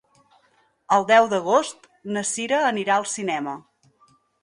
El deu d'agost na Cira anirà al cinema.